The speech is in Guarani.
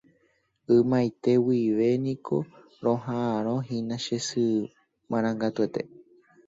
Ymaiteguivémaniko roha'ãrõhína che sy marangatuete